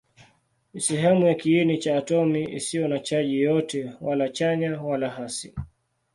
Ni sehemu ya kiini cha atomi isiyo na chaji yoyote, wala chanya wala hasi.